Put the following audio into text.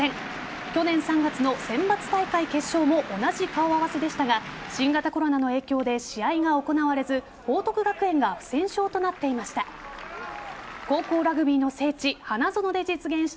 去年３月の選抜大会決勝も同じ顔合わせでしたが新型コロナの影響で試合が行われず報徳学園が不戦勝となっていました。